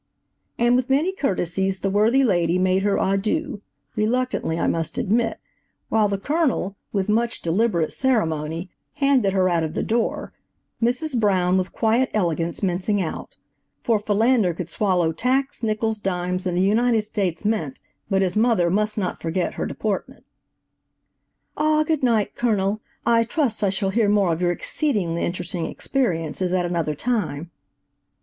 And with many courtesies the worthy lady made her adieu–reluctantly, I must admit–while the Colonel, with much deliberate ceremony, handed her out of the door, Mrs. Brown, with quiet elegance mincing out:–for Philander could swallow tacks, nickels, dimes and the United States mint, but his mother must not forget her deportment. "Ah, good night, Colonel, I trust I shall hear more of your exceedingly interesting experiences at another time."